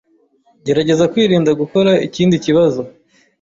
Gerageza kwirinda gukora ikindi kibazo.